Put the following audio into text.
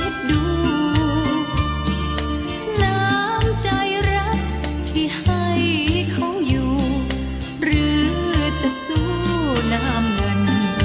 น้ำใจรักที่ให้เขาอยู่หรือจะสู้น้ำเงิน